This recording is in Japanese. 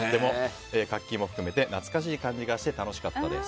活気も含めて懐かしい感じがして楽しかったです。